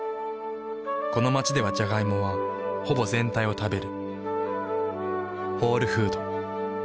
この街ではジャガイモはほぼ全体を食べる。